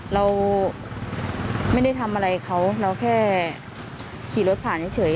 เราไม่ได้ทำอะไรเขาเราแค่ขี่รถผ่านเฉย